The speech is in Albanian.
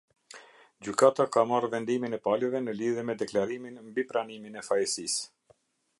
Gjykata ka marrë mendimin e palëve në lidhje me deklarimin mbi pranimin e fajësisë.